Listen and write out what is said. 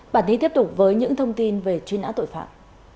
bản tin tiếp tục với những thông tin về truy nã tội phạm